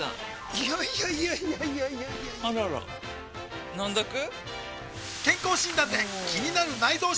いやいやいやいやあらら飲んどく？